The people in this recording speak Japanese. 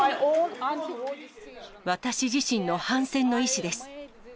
私自身の反戦の意思です。